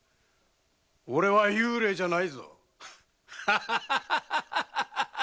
俺は幽霊じゃないぞ。